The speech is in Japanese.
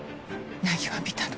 凪は見たの。